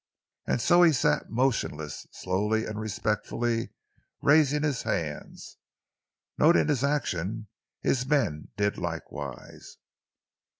And so he sat motionless, slowly and respectfully raising his hands. Noting his action, his men did likewise.